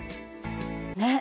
ねっ。